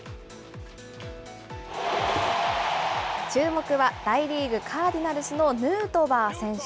注目は大リーグ・カーディナルスのヌートバー選手。